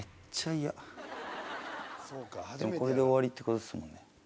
でもこれで終わりって事ですもんね。